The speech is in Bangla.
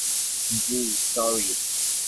জ্বি, সরি।